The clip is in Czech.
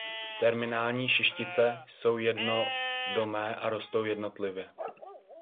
Terminální šištice jsou jednodomé a rostou jednotlivě.